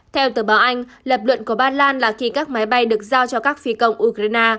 theo tờ báo anh lập luận của ba lan là khi các máy bay được giao cho các phi công ukraine